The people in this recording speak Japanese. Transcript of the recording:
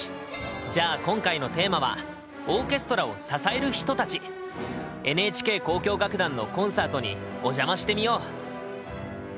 じゃあ今回のテーマはＮＨＫ交響楽団のコンサートにお邪魔してみよう。